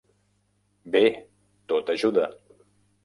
Bé, tot ajuda.